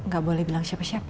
gak boleh bilang siapa siapa